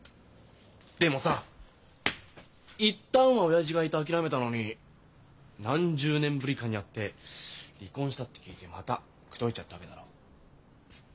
でもさ一旦は親父がいて諦めたのに何十年ぶりかに会って離婚したって聞いてまた口説いちゃったわけだろ？